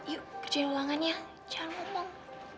yuk kerjain ulangan ya jangan ngomong